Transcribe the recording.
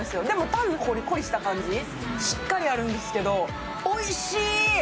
でもタンのコリコリした感じ、しっかりあるんですけどおいしい。